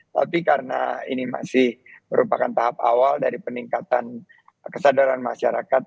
tapi karena ini masih merupakan tahap awal dari peningkatan kesadaran masyarakat